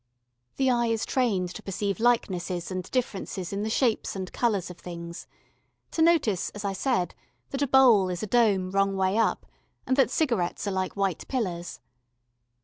The eye is trained to perceive likenesses and differences in the shapes and colours of things to notice, as I said, that a bowl is a dome wrong way up, and that cigarettes are like white pillars.